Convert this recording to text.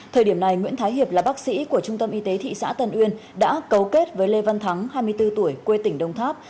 thời điểm này nguyễn thái hiệp là bác sĩ của trung tâm y tế thị xã tân uyên đã cấu kết với lê văn thắng hai mươi bốn tuổi quê tỉnh đồng tháp